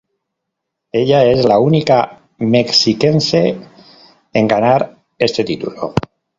Ella es la única Mexiquense en ganar este título.